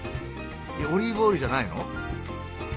オリーブオイルじゃないの？